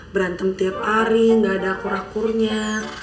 berantem tiap hari enggak ada akur akurnya